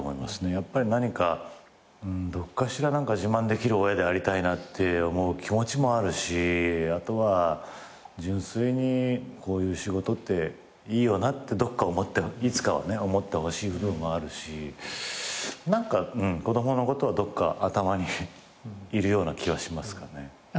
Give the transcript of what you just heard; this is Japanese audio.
やっぱり何かどっかしら自慢できる親でありたいなって思う気持ちもあるしあとは純粋にこういう仕事っていいよなってどっか思っていつかはね思ってほしい部分もあるし子供のことをどっか頭にいるような気はしますかね。